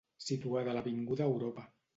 Situada a l'Avinguda Europa.